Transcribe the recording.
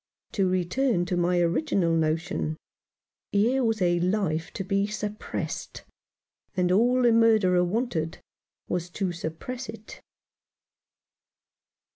To return to my original notion : here was a life to be suppressed, and all the murderer wanted was to suppress it.